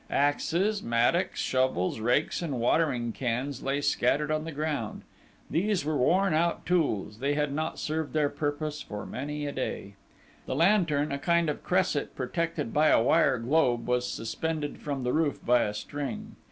Axes, mattocks, shovels, rakes, and watering cans lay scattered on the ground: these were worn out tools: they had not served their purpose for many a day. The lantern, a kind of cresset protected by a wire globe, was suspended from the roof by a string.